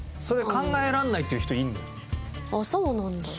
あっそうなんだ。